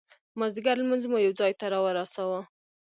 مازدیګر لمونځ مو یو ځای ته را ورساوه.